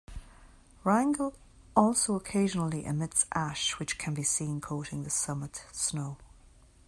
Wrangell also occasionally emits ash, which can be seen coating the summit snow.